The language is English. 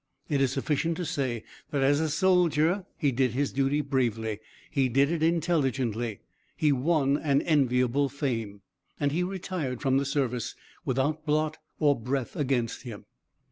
It is sufficient to say that as a soldier he did his duty bravely; he did it intelligently; he won an enviable fame, and he retired from the service without blot or breath against him.